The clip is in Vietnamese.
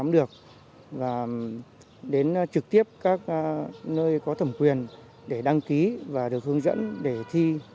đến trực tiếp các nơi có thẩm quyền để đăng ký và được hướng dẫn để thi